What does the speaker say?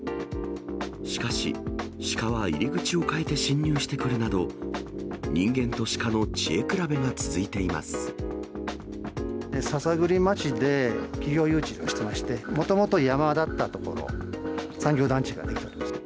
しかし、鹿は入り口を変えて侵入してくるなど、人間と鹿の知恵比べが続い篠栗町で企業誘致をしてまして、もともと山だった所に産業団地が出来たんです。